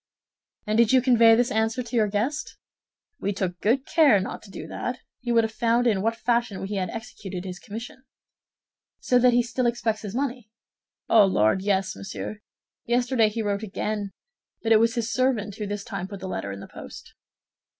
"And did you convey this answer to your guest?" "We took good care not to do that; he would have found in what fashion we had executed his commission." "So that he still expects his money?" "Oh, Lord, yes, monsieur! Yesterday he wrote again; but it was his servant who this time put the letter in the post."